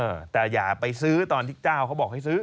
เออแต่อย่าไปซื้อตอนที่เจ้าเขาบอกให้ซื้อ